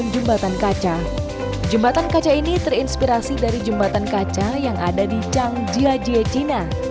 jembatan kaca ini terinspirasi dari jembatan kaca yang ada di changjiajie cina